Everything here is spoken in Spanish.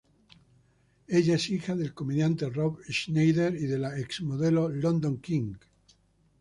Elle es hija del comediante Rob Schneider y de la exmodelo London King.